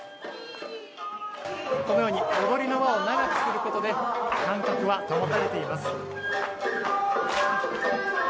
このように踊りの輪を長くすることで間隔は保たれています。